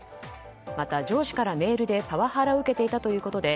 また上司からメールでパワハラを受けていたということで